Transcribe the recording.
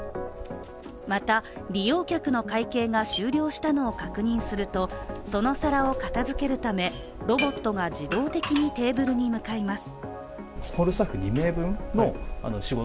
また、利用客の会計が終了したのを確認するとその皿を片付けるためロボットが自動的にテーブルに向かいます。